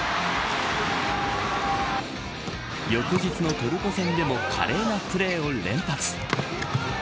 翌日のトルコ戦でも華麗なプレーを連発。